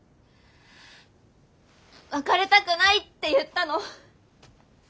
「別れたくない」って言ったの。